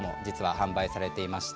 販売されています。